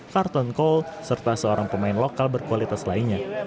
karton cole serta seorang pemain lokal berkualitas lainnya